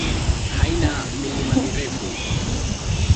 Haina milima mirefu.